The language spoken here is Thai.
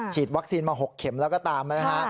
ฉีดวัคซีนมา๖เข็มแล้วก็ตามนะฮะ